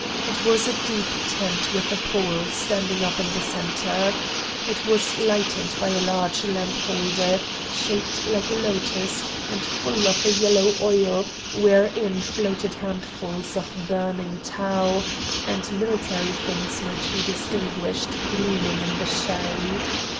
It was a deep tent with a pole standing up in the centre. It was lighted by a large lamp holder shaped like a lotus and full of a yellow oil wherein floated handfuls of burning tow, and military things might be distinguished gleaming in the shade.